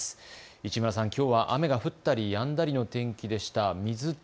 市村さん、きょうは雨が降ったりやんだりの天気でした。